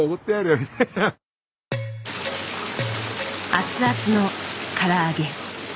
熱々のから揚げ。